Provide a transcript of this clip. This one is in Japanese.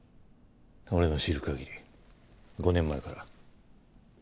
俺の知る限り５年前から。